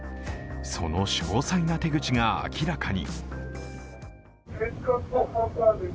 その詳細な手口が明らかに。